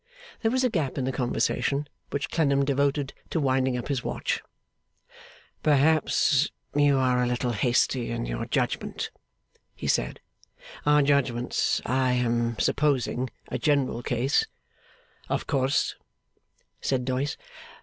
There was a gap in the conversation, which Clennam devoted to winding up his watch. 'Perhaps you are a little hasty in your judgment,' he said. 'Our judgments I am supposing a general case ' 'Of course,' said Doyce.